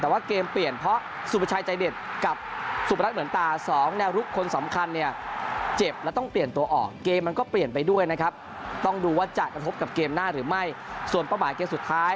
แต่ว่าเกมเปลี่ยนเพราะสุปชายใจเด็ดกับสุปรักษ์เหมือนตา๒